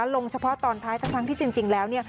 ลงเฉพาะตอนท้ายทั้งที่จริงแล้วเนี่ย